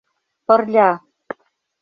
— Пырля.